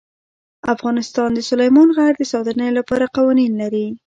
افغانستان د سلیمان غر د ساتنې لپاره قوانین لري.